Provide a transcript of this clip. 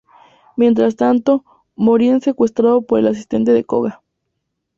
Mientras tanto, Mori es secuestrado por el asistente de Koga.